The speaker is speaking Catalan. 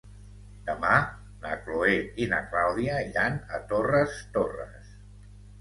Demà na Chloé i na Clàudia iran a Torres Torres.